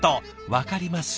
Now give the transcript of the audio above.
わかります？